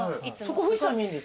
富士山見えるんですか？